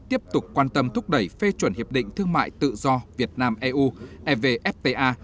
tiếp tục quan tâm thúc đẩy phê chuẩn hiệp định thương mại tự do việt nam eu evfta